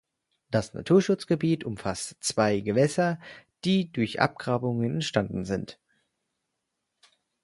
Das Naturschutzgebiet umfasst zwei Gewässer, die durch Abgrabungen entstanden sind.